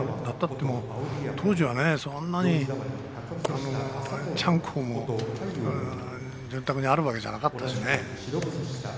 当時は、そんなにちゃんこも潤沢にあるわけじゃなかったしね。